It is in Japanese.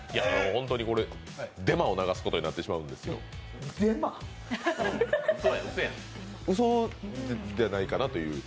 ホントにこれ、デマを流すことになってしまうんですよ。ではないかなという。